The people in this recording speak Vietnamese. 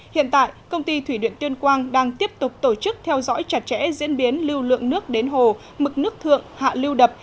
hiện tại công ty thủy điện tuyên quang đang tiếp tục tổ chức theo dõi chặt chẽ diễn biến lưu lượng nước đến hồ mực nước thượng hạ lưu đập